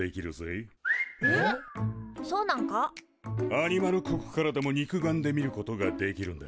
アニマル国からでも肉眼で見ることができるんだ。